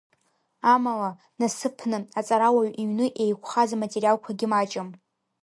Амала, насыԥны, аҵарауаҩ иҩны еиқәхаз аматериалқәагьы маҷым.